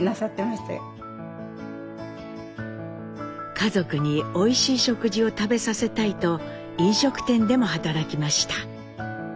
家族においしい食事を食べさせたいと飲食店でも働きました。